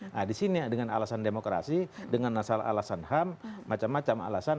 nah disini dengan alasan demokrasi dengan asal alasan ham macam macam alasan